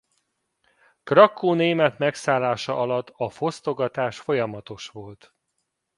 Krakkó német megszállása alatt a fosztogatás folyamatos volt.